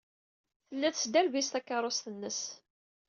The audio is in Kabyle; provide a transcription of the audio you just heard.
Tella tesderbiz takeṛṛust-nnes.